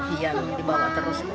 iya dibawa terus